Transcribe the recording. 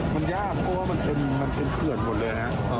มันยากเพราะว่ามันเป็นเขื่อนหมดเลยนะ